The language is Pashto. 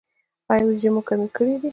ایا وریجې مو کمې کړي دي؟